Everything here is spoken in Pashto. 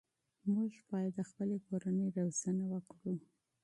موږ باید د خپلې کورنۍ روزنه وکړو.